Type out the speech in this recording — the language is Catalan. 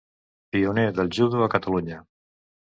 Pioner del judo a Catalunya.